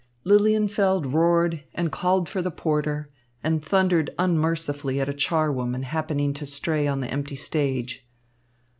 Lilienfeld roared and called for the porter, and thundered unmercifully at a charwoman happening to stray on the empty stage.